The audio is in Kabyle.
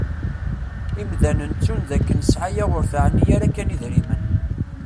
Imdanen ttun d akken sɛaya ur teɛni ara kan idrimen.